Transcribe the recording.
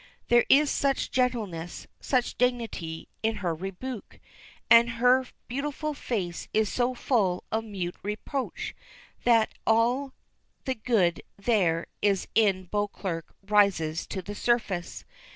There is such gentleness, such dignity, in her rebuke, and her beautiful face is so full of a mute reproach, that all the good there is in Beauclerk rises to the surface.